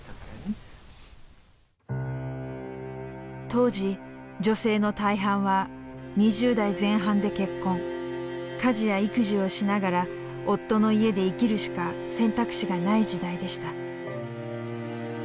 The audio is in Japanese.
当時女性の大半は２０代前半で結婚家事や育児をしながら夫の家で生きるしか選択肢がない時代でした。